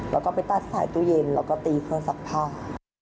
แล้วก็ไปตัดสายตู้เย็นแล้วก็ตีเครื่องซักผ้า